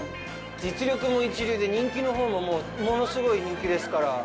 実力も一流で、人気のほうも物すごい人気ですから。